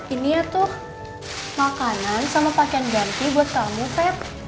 ini ya tuh makanan sama pakaian jantri buat kamu feb